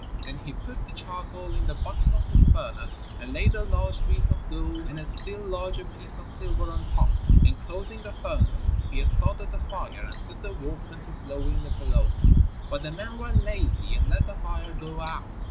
Then he put the charcoal in the bottom of his furnace and laid a large piece of gold and a still larger piece of silver on top, and closing the furnace, he started the fire and set the workmen to blowing the bellows; but the men were lazy and let the fire go out.